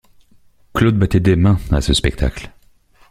Claude battait des mains, à ce spectacle.